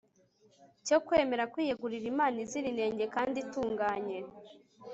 cyo kwemera kwiyegurira imana izira inenge kandi itunganye